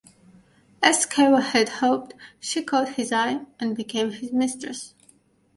As Cavour had hoped, she caught his eye and became his mistress.